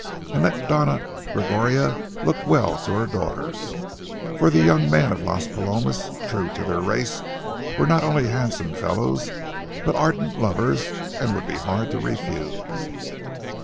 And let Doña Gregoria look well to her daughters, for the young men of Las Palomas, true to their race, were not only handsome fellows but ardent lovers, and would be hard to refuse.